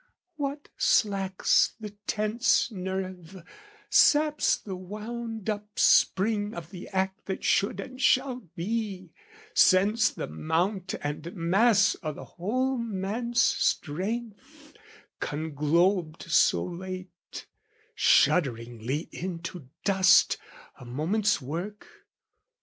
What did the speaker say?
What slacks the tense nerve, saps the wound up spring Of the act that should and shall be, sends the mount And mass o' the whole man's strength, conglobed so late Shudderingly into dust, a moment's work?